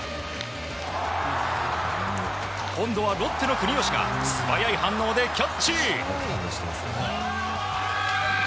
今度はロッテの国吉が素早い反応でキャッチ。